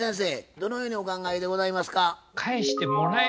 どのようにお考えでございますか？